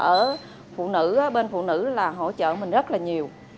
ở phụ nữ bên phụ nữ là hỗ trợ mình rất là nhiều